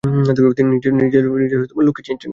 নিজের লোককে চিনছেন না?